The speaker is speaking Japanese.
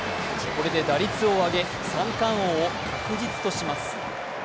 これで打率を上げ、三冠王を確実とします。